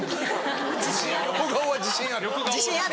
横顔は自信ある。